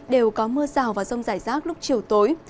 đều có mưa rào và rông rải rác lúc chiều tối